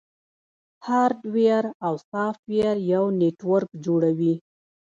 هارډویر او سافټویر یو نیټورک جوړوي.